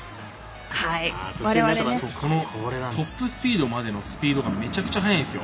トップスピードまでのスピードがめちゃくちゃ速いんですよ。